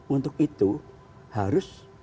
untuk itu harus